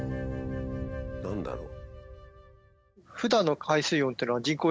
何だろう？